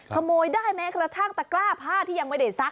ขโมยได้แม้กระทั่งตะกร้าผ้าที่ยังไม่ได้ซัก